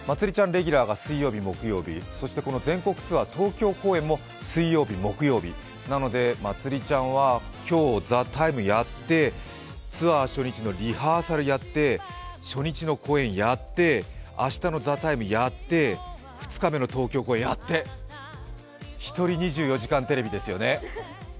レギュラーが水曜日、木曜日、全国ツアー、東京公演も水曜日、木曜日なのでまつりちゃんは今日「ＴＨＥＴＩＭＥ，」やって、ツアー初日のリハーサルやって、初日の公演やって明日の「ＴＨＥＴＩＭＥ，」やって、２日目の東京公演やって、一人２４時間テレビですすよね。